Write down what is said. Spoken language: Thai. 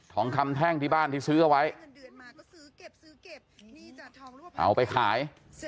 ทองคำแท่งที่บ้านที่ซื้อเอาไว้เอาไปขาย